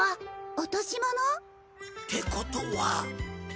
落とし物？ってことは。